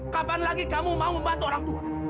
kapan lagi kamu mau membantu orang tua